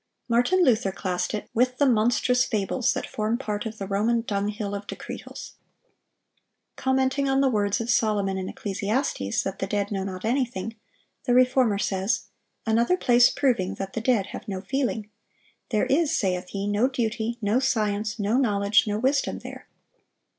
Martin Luther classed it with the "monstrous fables that form part of the Roman dunghill of decretals."(977) Commenting on the words of Solomon in Ecclesiastes, that the dead know not anything, the Reformer says: "Another place proving that the dead have no ... feeling. There is, saith he, no duty, no science, no knowledge, no wisdom there.